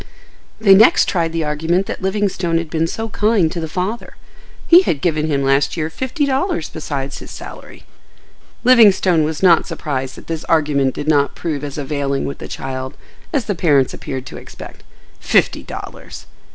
They next tried the argument that Livingstone had been so kind to the father. He had "given him last year fifty dollars besides his salary." Livingstone was not surprised that this argument did not prove as availing with the child as the parents appeared to expect.—Fifty dollars!